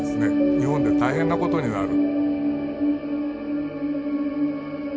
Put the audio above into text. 日本で大変なことになる。